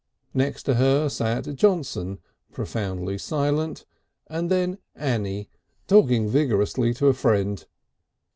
Next to her sat Johnson, profoundly silent, and then Annie, talking vigorously to a friend.